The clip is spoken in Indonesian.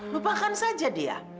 lupakan saja dia